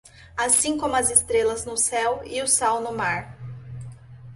Assim como as estrelas no céu e o sal no mar